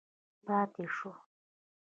پاتې شو.